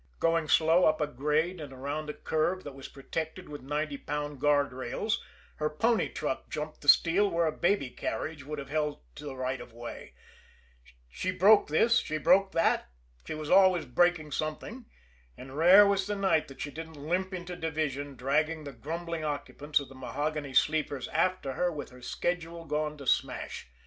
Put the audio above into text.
Going slow up a grade and around a curve that was protected with ninety pound guard rails, her pony truck jumped the steel where a baby carriage would have held the right of way; she broke this, she broke that, she was always breaking something; and rare was the night that she didn't limp into division dragging the grumbling occupants of the mahogany sleepers after her with her schedule gone to smash.